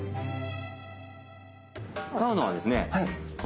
使うのはですね